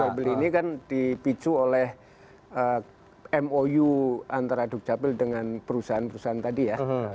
daya beli ini kan dipicu oleh mou antara dukcapil dengan perusahaan perusahaan tadi ya